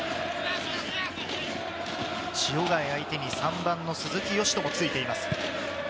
塩貝相手に３番の鈴木嘉人もついています。